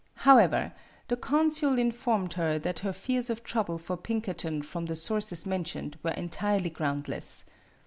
However, the consul informed her that her fears of trouble for Pinkerton from the sources mentioned were entirely groundless.